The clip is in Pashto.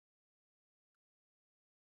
سلیمان غر د افغانستان د اقتصاد برخه ده.